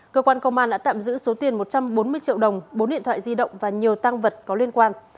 cơ quan công an đã tạm giữ số tiền một trăm bốn mươi triệu đồng bốn điện thoại di động và nhiều tăng vật có liên quan